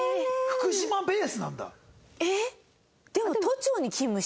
福島ベースなんだ。